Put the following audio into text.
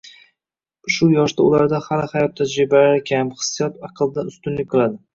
Shu yoshda ularda hali hayot tajribalari kam, hissiyot aqldan ustunlik qiladi.